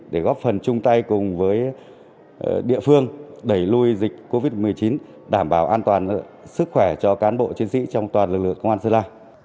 để góp phần chung tay cùng với địa phương đẩy lùi dịch covid một mươi chín đảm bảo an toàn sức khỏe cho cán bộ chiến sĩ trong toàn lực lượng công an sơn la